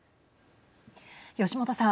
吉元さん。